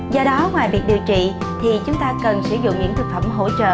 do đó ngoài việc điều trị thì chúng ta cần sử dụng những thực phẩm hỗ trợ